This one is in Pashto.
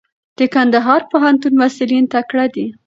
د کندهار پوهنتون محصلین تکړه دي.